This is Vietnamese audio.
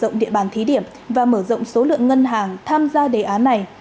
hiện có năm ngân hàng tham gia thí điểm và mở rộng số lượng ngân hàng tham gia đề án này